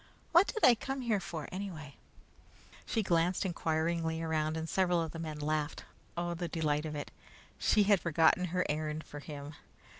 What did I come here for anyway?" She glanced inquiringly around, and several of the men laughed. Oh, the delight of it! She had forgotten her errand for him!